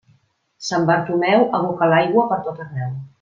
Sant Bartomeu aboca l'aigua pertot arreu.